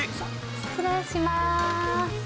失礼します。